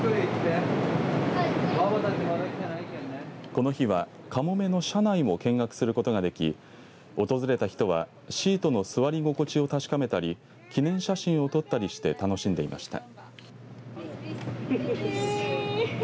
この日は、かもめの車内も見学することができ訪れた人はシートの座り心地を確かめたり記念写真を撮ったりして楽しんでいました。